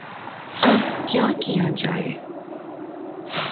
اب کیا کیا جائے؟